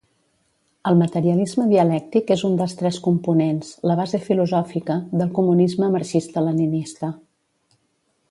El materialisme dialèctic és un dels tres components -la base filosòfica- del comunisme marxista-leninista.